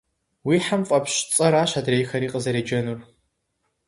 Уи хьэм фӏэпщ цӏэращ адрейхэри къызэреджэнур.